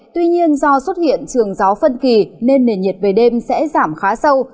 tuy nhiên do xuất hiện trường gió phân kỳ nên nền nhiệt về đêm sẽ giảm khá sâu